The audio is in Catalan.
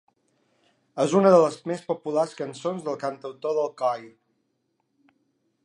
És una de les més populars cançons del cantautor d'Alcoi.